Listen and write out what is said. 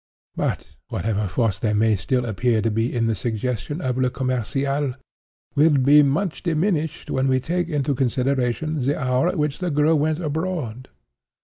"But whatever force there may still appear to be in the suggestion of Le Commerciel, will be much diminished when we take into consideration the hour at which the girl went abroad.